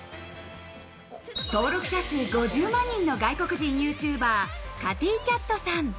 登録者数５０万人の外国人ＹｏｕＴｕｂｅｒ、カティー・キャットさん。